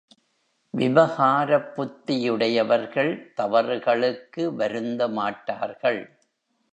விவகாரப் புத்தியுடையவர்கள் தவறுகளுக்கு வருந்தமாட்டார்கள்.